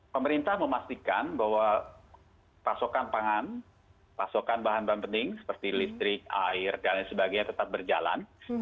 pemerintah memastikan bahwa pasokan pangan pasokan bahan bahan penting seperti listrik air dan lain sebagainya tetap berjalan